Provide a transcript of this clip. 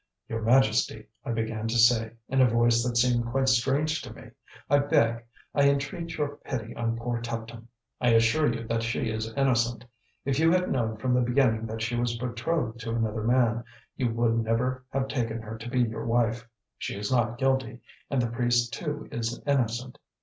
"Your Majesty," I began to say, in a voice that seemed quite strange to me, "I beg, I entreat your pity on poor Tuptim. I assure you that she is innocent. If you had known from the beginning that she was betrothed to another man, you would never have taken her to be your wife. She is not guilty; and the priest, too, is innocent.